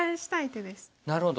なるほど。